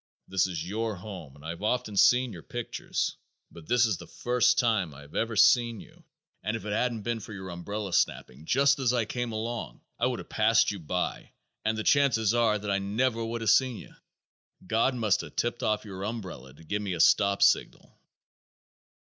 "This is your home and I have often seen your picture. But this is the first time I have ever seen you and if it hadn't been for your umbrella snapping just as I came along, I would have passed you by and the chances are that I never would have seen you. God must have tipped off your umbrella to give me a stop signal."